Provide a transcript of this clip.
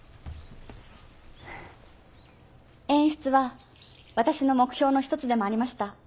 演出は私の目標の一つでもありました。